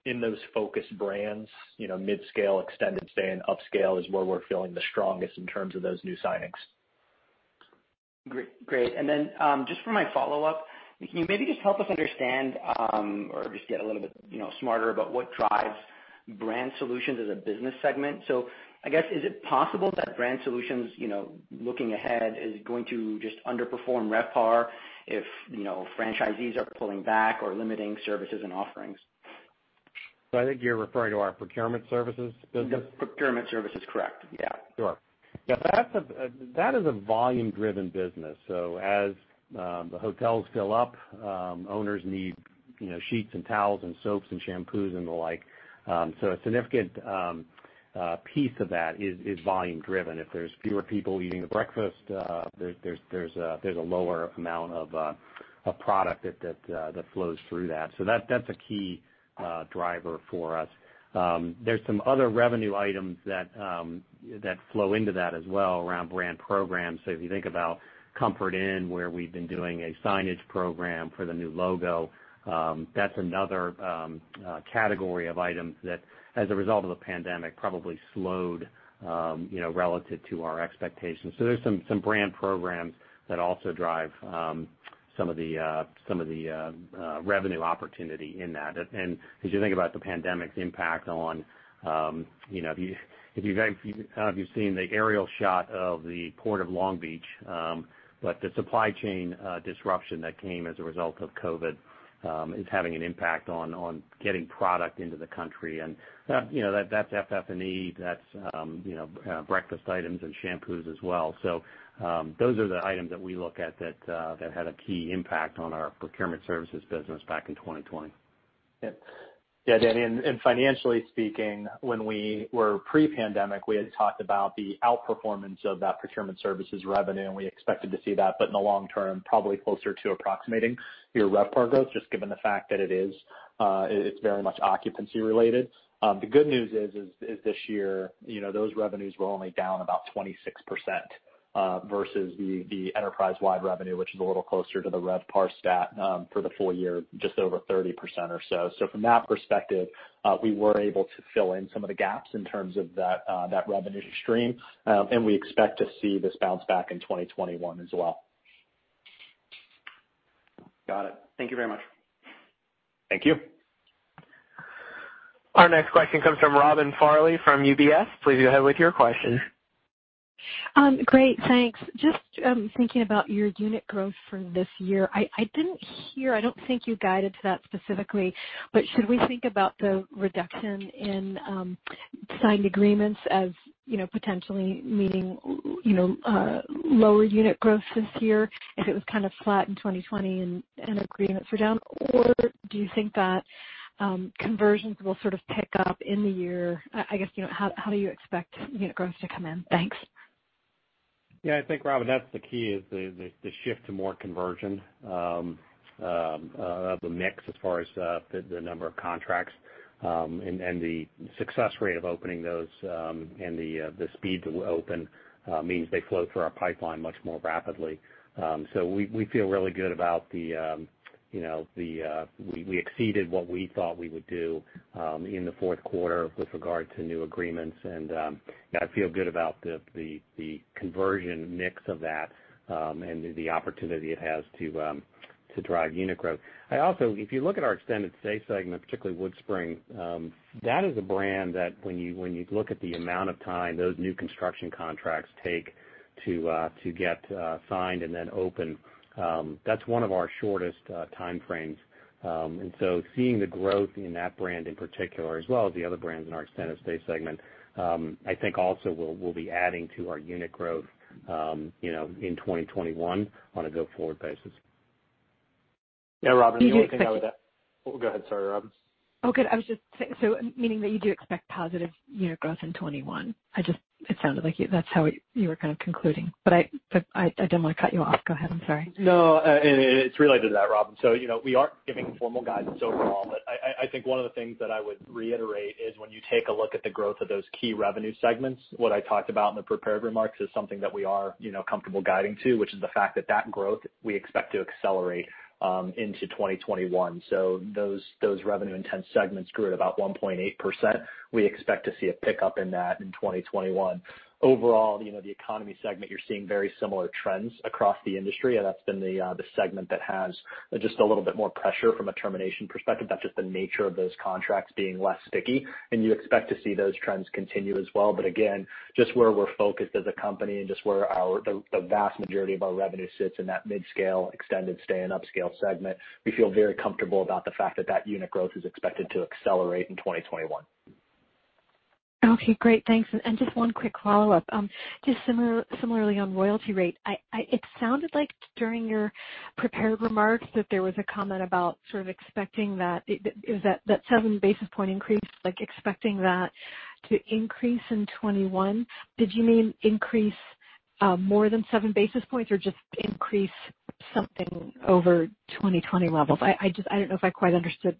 in those focus brands, you know, midscale, extended stay, and upscale is where we're feeling the strongest in terms of those new signings.
Great, great. And then, just for my follow-up, can you maybe just help us understand, or just get a little bit, you know, smarter about what drives brand solutions as a business segment? So I guess, is it possible that brand solutions, you know, looking ahead, is going to just underperform RevPAR if, you know, franchisees are pulling back or limiting services and offerings?
I think you're referring to our procurement services business?
The procurement services, correct. Yeah.
Sure. Yeah, that's a volume-driven business. So as the hotels fill up, owners need, you know, sheets and towels and soaps and shampoos and the like. So a significant piece of that is volume driven. If there's fewer people eating the breakfast, there's a lower amount of product that flows through that. So that's a key driver for us. There's some other revenue items that flow into that as well around brand programs. So if you think about Comfort Inn, where we've been doing a signage program for the new logo, that's another category of items that, as a result of the pandemic, probably slowed, you know, relative to our expectations. So there's some brand programs that also drive some of the revenue opportunity in that. And as you think about the pandemic's impact on, you know, I don't know if you've seen the aerial shot of the Port of Long Beach, but the supply chain disruption that came as a result of COVID is having an impact on getting product into the country. And, you know, that's FF&E, that's breakfast items and shampoos as well. So, those are the items that we look at that had a key impact on our procurement services business back in 2020.
Yeah.
Yeah, Dany, financially speaking, when we were pre-pandemic, we had talked about the outperformance of that procurement services revenue, and we expected to see that, but in the long term, probably closer to approximating your RevPAR growth, just given the fact that it is, it's very much occupancy related. The good news is this year, you know, those revenues were only down about 26%, versus the enterprise-wide revenue, which is a little closer to the RevPAR stat, for the full year, just over 30% or so. So from that perspective, we were able to fill in some of the gaps in terms of that revenue stream, and we expect to see this bounce back in 2021 as well.
Got it. Thank you very much.
Thank you.
Our next question comes from Robin Farley from UBS. Please go ahead with your question.
Great, thanks. Just thinking about your unit growth for this year, I didn't hear, I don't think you guided to that specifically, but should we think about the reduction in signed agreements as, you know, potentially meaning, you know, lower unit growth this year, if it was kind of flat in 2020 and agreements are down? Or do you think that conversions will sort of pick up in the year? I guess, you know, how do you expect unit growth to come in? Thanks.
Yeah, I think, Robin, that's the key is the shift to more conversion of the mix as far as the number of contracts, and the success rate of opening those, and the speed to open means they flow through our pipeline much more rapidly. So we feel really good about the, you know, the... We exceeded what we thought we would do in the fourth quarter with regard to new agreements, and I feel good about the conversion mix of that, and the opportunity it has to drive unit growth. I also, if you look at our extended stay segment, particularly WoodSpring, that is a brand that when you look at the amount of time those new construction contracts take to get signed and then open, that's one of our shortest time frames. And so seeing the growth in that brand in particular, as well as the other brands in our extended stay segment, I think also will be adding to our unit growth, you know, in 2021 on a go-forward basis.... Yeah, Robin, the only thing I would add. Oh, go ahead. Sorry, Robin.
Oh, good. I was just saying, so meaning that you do expect positive unit growth in 2021. I just, it sounded like you, that's how you were kind of concluding, but I, but I, I didn't want to cut you off. Go ahead. I'm sorry.
No, and it's related to that, Robin. So, you know, we aren't giving formal guidance overall, but I think one of the things that I would reiterate is when you take a look at the growth of those key revenue segments, what I talked about in the prepared remarks is something that we are, you know, comfortable guiding to, which is the fact that that growth we expect to accelerate into 2021. So those those revenue intense segments grew at about 1.8%. We expect to see a pickup in that in 2021. Overall, you know, the economy segment, you're seeing very similar trends across the industry. That's been the segment that has just a little bit more pressure from a termination perspective. That's just the nature of those contracts being less sticky, and you expect to see those trends continue as well. But again, just where we're focused as a company and just where our, the vast majority of our revenue sits in that midscale, extended stay and upscale segment, we feel very comfortable about the fact that that unit growth is expected to accelerate in 2021.
Okay, great. Thanks. And just one quick follow-up. Just similarly, on royalty rate, it sounded like during your prepared remarks that there was a comment about sort of expecting that it was that 7 basis point increase, like expecting that to increase in 2021. Did you mean increase more than 7 basis points or just increase something over 2020 levels? I just don't know if I quite understood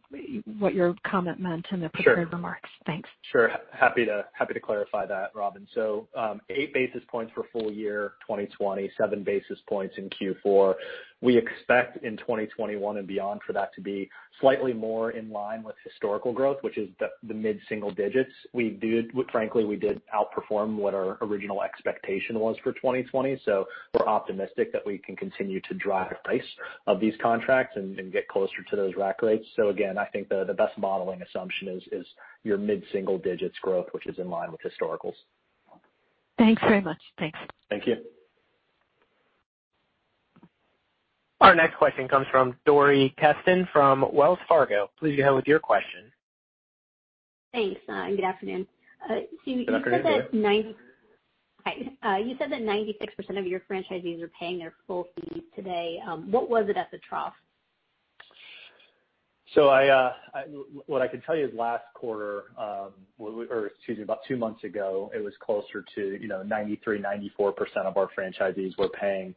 what your comment meant in the-
Sure.
Prepared remarks. Thanks.
Sure. Happy to, happy to clarify that, Robin. So, 8 basis points for full year 2020, 7 basis points in Q4. We expect in 2021 and beyond for that to be slightly more in line with historical growth, which is the, the mid-single digits. We did... Frankly, we did outperform what our original expectation was for 2020, so we're optimistic that we can continue to drive the price of these contracts and, and get closer to those rack rates. So again, I think the, the best modeling assumption is, is your mid-single digits growth, which is in line with historicals.
Thanks very much. Thanks.
Thank you.
Our next question comes from Dori Kesten from Wells Fargo. Please go ahead with your question.
Thanks, and good afternoon.
Good afternoon.
So you said that 96% of your franchisees are paying their full fees today. What was it at the trough?
So I what I can tell you is last quarter, well, or excuse me, about two months ago, it was closer to, you know, 93%-94% of our franchisees were paying.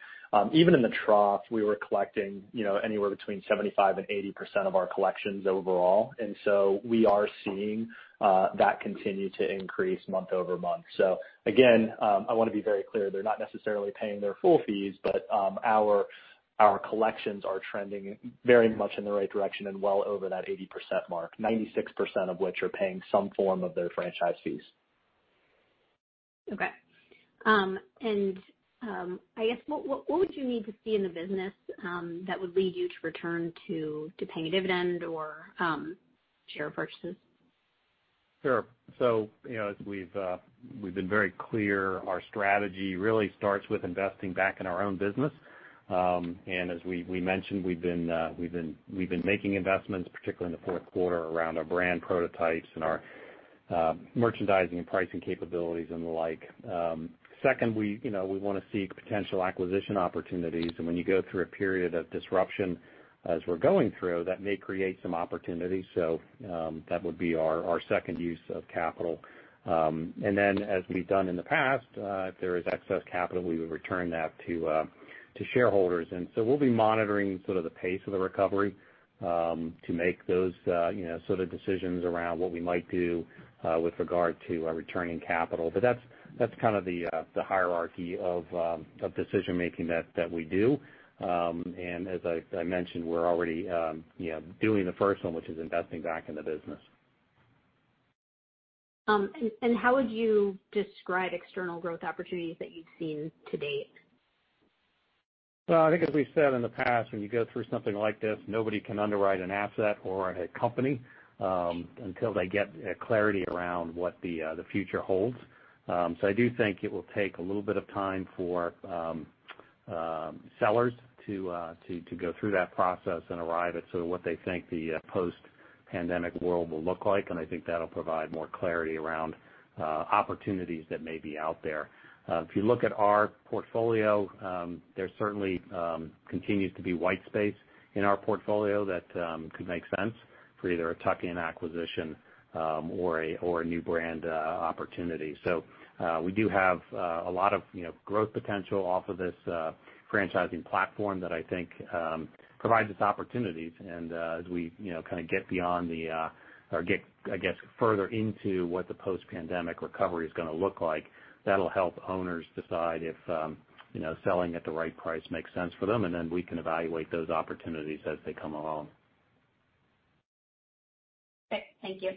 Even in the trough, we were collecting, you know, anywhere between 75% and 80% of our collections overall. And so we are seeing that continue to increase month-over-month. So again, I want to be very clear, they're not necessarily paying their full fees, but our collections are trending very much in the right direction and well over that 80% mark, 96% of which are paying some form of their franchise fees.
Okay. I guess, what would you need to see in the business that would lead you to return to paying a dividend or share purchases?
Sure. So, you know, as we've been very clear, our strategy really starts with investing back in our own business. And as we mentioned, we've been making investments, particularly in the fourth quarter, around our brand prototypes and our merchandising and pricing capabilities and the like. Second, we, you know, we want to seek potential acquisition opportunities, and when you go through a period of disruption as we're going through, that may create some opportunities. So, that would be our second use of capital. And then as we've done in the past, if there is excess capital, we would return that to shareholders. And so we'll be monitoring sort of the pace of the recovery to make those, you know, sort of decisions around what we might do with regard to our returning capital. But that's kind of the hierarchy of decision making that we do. And as I mentioned, we're already, you know, doing the first one, which is investing back in the business.
How would you describe external growth opportunities that you've seen to date?
Well, I think as we've said in the past, when you go through something like this, nobody can underwrite an asset or a company, until they get clarity around what the future holds. So I do think it will take a little bit of time for sellers to go through that process and arrive at sort of what they think the post-pandemic world will look like. And I think that'll provide more clarity around opportunities that may be out there. If you look at our portfolio, there certainly continues to be white space in our portfolio that could make sense for either a tuck-in acquisition, or a new brand opportunity. So, we do have a lot of, you know, growth potential off of this franchising platform that I think provides us opportunities. And, as we, you know, kind of get beyond the or get, I guess, further into what the post-pandemic recovery is gonna look like, that'll help owners decide if, you know, selling at the right price makes sense for them, and then we can evaluate those opportunities as they come along.
Okay, thank you.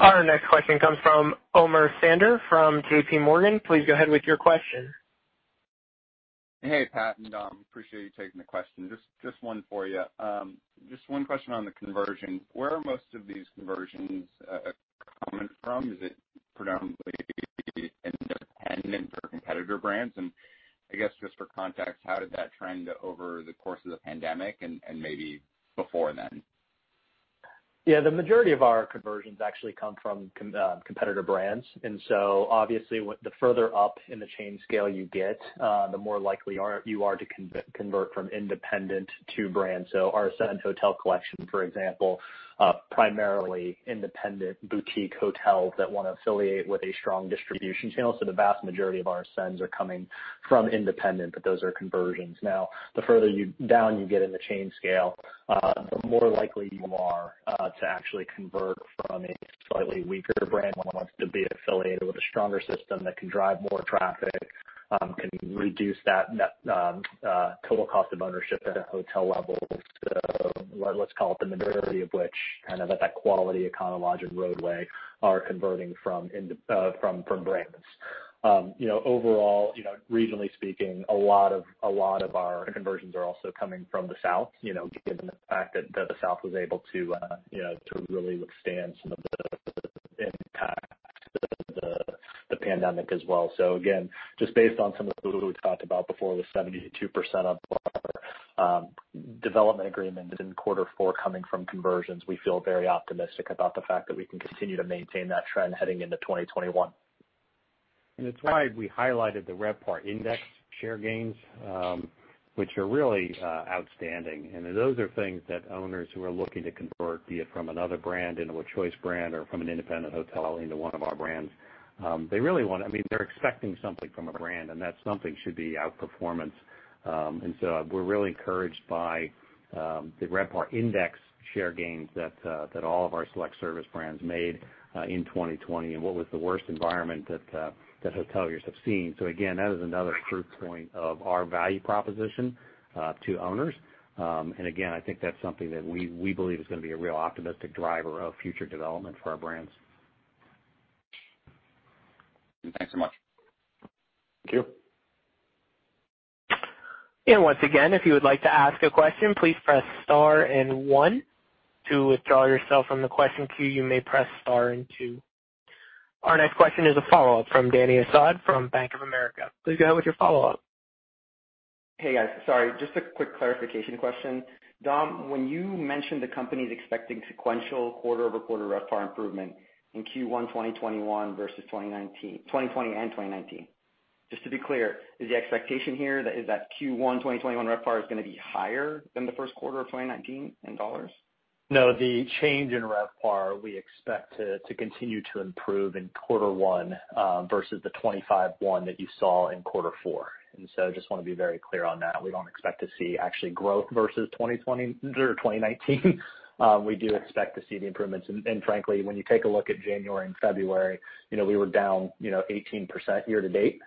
Our next question comes from Omer Sander from JPMorgan. Please go ahead with your question.
Hey, Pat, and appreciate you taking the question. Just one for you. Just one question on the conversion. Where are most of these conversions coming from? Is it predominantly independent or competitor brands? And I guess just for context, how did that trend over the course of the pandemic and maybe before then?...
Yeah, the majority of our conversions actually come from competitor brands. And so obviously, the further up in the chain scale you get, the more likely you are to convert from independent to brand. So our Ascend Hotel Collection, for example, primarily independent boutique hotels that want to affiliate with a strong distribution channel. So the vast majority of our Ascends are coming from independent, but those are conversions. Now, the further down you get in the chain scale, the more likely you are to actually convert from a slightly weaker brand, one that wants to be affiliated with a stronger system that can drive more traffic, can reduce that net total cost of ownership at a hotel level. So let's call it the majority of which, kind of, at that Quality, Econo Lodge and Rodeway are converting from independent brands. You know, overall, you know, regionally speaking, a lot of our conversions are also coming from the South, you know, given the fact that the South was able to, you know, to really withstand some of the impact of the pandemic as well. So again, just based on some of what we talked about before, the 72% of our development agreements in quarter four coming from conversions, we feel very optimistic about the fact that we can continue to maintain that trend heading into 2021.
It's why we highlighted the RevPAR index share gains, which are really outstanding. Those are things that owners who are looking to convert, be it from another brand into a Choice brand or from an independent hotel into one of our brands, they really want... I mean, they're expecting something from a brand, and that something should be outperformance. So we're really encouraged by the RevPAR index share gains that all of our select service brands made in 2020, in what was the worst environment that hoteliers have seen. So again, that is another proof point of our value proposition to owners. And again, I think that's something that we believe is going to be a real optimistic driver of future development for our brands.
Thanks so much.
Thank you.
And once again, if you would like to ask a question, please press star and one. To withdraw yourself from the question queue, you may press star and two. Our next question is a follow-up from Dany Asad from Bank of America. Please go ahead with your follow-up.
Hey, guys. Sorry, just a quick clarification question. Dom, when you mentioned the company's expecting sequential quarter-over-quarter RevPAR improvement in Q1 2021 versus 2019, 2020 and 2019, just to be clear, is the expectation here that is Q1 2021 RevPAR is going to be higher than the first quarter of 2019 in dollars?
No, the change in RevPAR, we expect to continue to improve in quarter one versus the 25.1 that you saw in quarter four. So I just want to be very clear on that. We don't expect to see actually growth versus 2020 or 2019. We do expect to see the improvements, and frankly, when you take a look at January and February, you know, we were down 18% year to date,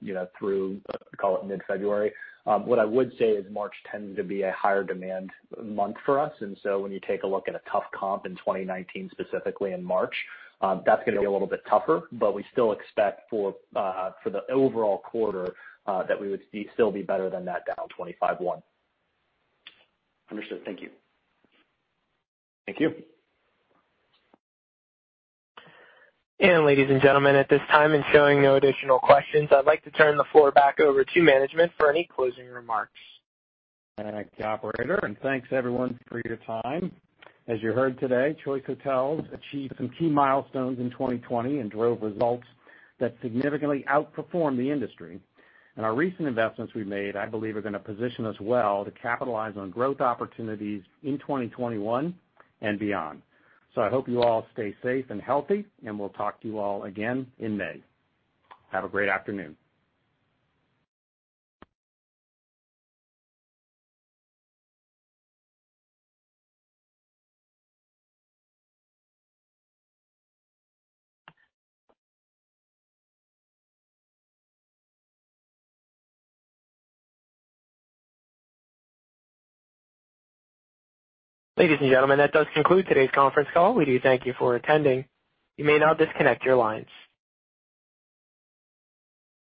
you know, through, call it mid-February. What I would say is March tends to be a higher demand month for us, and so when you take a look at a tough comp in 2019, specifically in March, that's going to be a little bit tougher, but we still expect for, for the overall quarter, that we would see still be better than that, down 25.1.
Understood. Thank you.
Thank you.
Ladies and gentlemen, at this time and showing no additional questions, I'd like to turn the floor back over to management for any closing remarks.
Thank you, operator, and thanks, everyone, for your time. As you heard today, Choice Hotels achieved some key milestones in 2020 and drove results that significantly outperformed the industry. Our recent investments we made, I believe, are going to position us well to capitalize on growth opportunities in 2021 and beyond. I hope you all stay safe and healthy, and we'll talk to you all again in May. Have a great afternoon.
Ladies and gentlemen, that does conclude today's conference call. We do thank you for attending. You may now disconnect your lines.